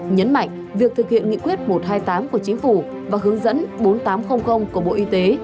nhấn mạnh việc thực hiện nghị quyết một trăm hai mươi tám của chính phủ và hướng dẫn bốn nghìn tám trăm linh của bộ y tế